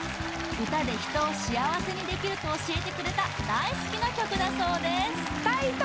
歌で人を幸せにできると教えてくれた大好きな曲だそうです